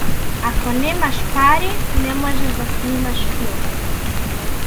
Ако немаш пари, не можеш да снимаш филм.